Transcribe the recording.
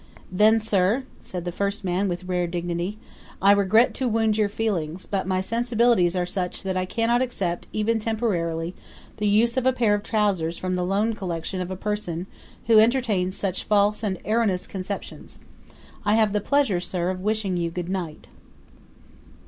"Then, sir," said the first man with a rare dignity, "I regret to wound your feelings; but my sensibilities are such that I cannot accept, even temporarily, the use of a pair of trousers from the loan collection of a person who entertains such false and erroneous conceptions. I have the pleasure, sir, of wishing you good night."